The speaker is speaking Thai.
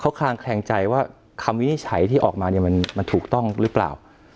เขาคลางแคลงใจว่าคำวินิจฉัยที่ออกมาเนี่ยมันถูกต้องหรือเปล่า